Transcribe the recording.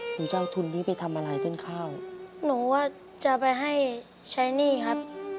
หนูจะเอาทุนนี้ไปทำอะไรต้นข้าวหนูว่าจะไปให้ใช้หนี้ครับ